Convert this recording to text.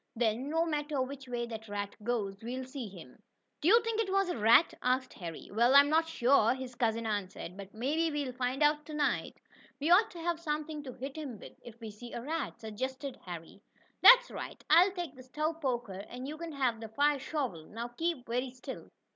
"Then, no matter which way that rat goes, we'll see him." "Do you think it was a rat?" asked Harry. "Well, I'm not sure," his cousin answered. "But maybe we'll find out to night." "We ought to have something to hit him with, if we see a rat," suggested Harry. "That's right," Bert agreed. "I'll take the stove poker, and you can have the fire shovel. Now keep very still."